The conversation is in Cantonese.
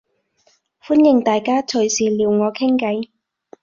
歡迎大家隨時撩我傾計